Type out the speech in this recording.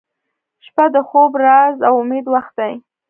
• شپه د خوب، راز، او امید وخت دی